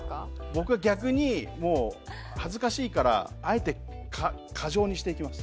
僕は逆にもう恥ずかしいからあえて過剰にしていきます。